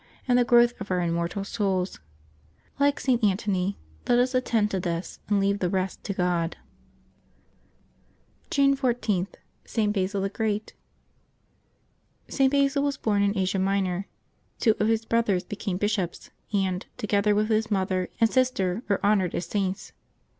and the growth of our immortal souls. Like St. Antony, let us attend to this, and leave the rest to God. June 14.— ST. BASIL THE GREAT. [t. Basil was born in Asia Minor. Two of his brothers became bishops, and, together with his mother and sister, are honored as Saints.